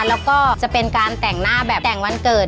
แล้วก็จะเป็นการแต่งหน้าแบบแต่งวันเกิด